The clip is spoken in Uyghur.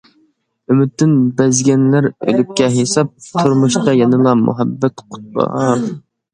ئۈمىدتىن بەزگەنلەر ئۆلۈككە ھېساب، تۇرمۇشتا يەنىلا مۇھەببەت، قۇت بار.